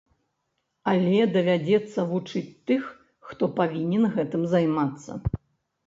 Але давядзецца вучыць тых, хто павінен гэтым займацца.